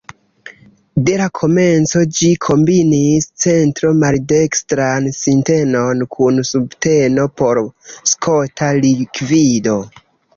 De la komenco ĝi kombinis centro-maldekstran sintenon kun subteno por skota likvido.